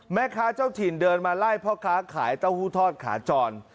เจ้าถิ่นเดินมาไล่พ่อค้าขายเต้าหู้ทอดขาจร